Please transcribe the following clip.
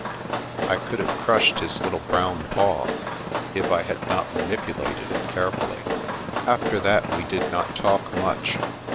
I could have crushed his little brown paw, if I had not manipulated it carefully. After that, we did not talk much.